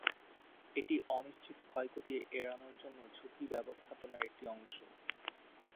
এটি অনিশ্চিত ক্ষয়ক্ষতি এড়ানোর জন্য ঝুঁকি ব্যবস্থাপনার একটি অংশ।